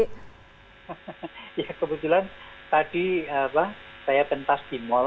hahaha ya kebetulan tadi apa saya pentas di mall